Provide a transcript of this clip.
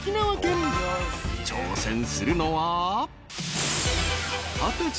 ［挑戦するのは］